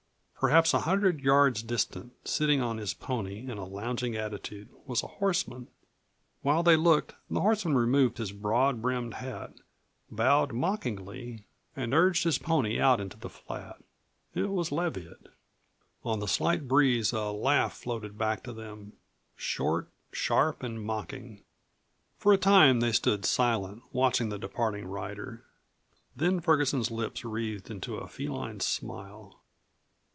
Perhaps a hundred yards distant, sitting on his pony in a lounging attitude, was a horseman. While they looked the horseman removed his broad brimmed hat, bowed mockingly, and urged his pony out into the flat. It was Leviatt. On the slight breeze a laugh floated back to them, short, sharp, mocking. For a time they stood silent, watching the departing rider. Then Ferguson's lips wreathed into a feline smile.